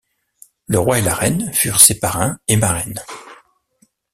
Le roi et la reine furent ses parrain et marraine.